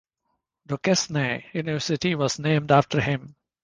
Duquesne University was named after him.